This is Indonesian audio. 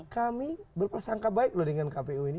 kami berprasangka baik loh dengan kpu ini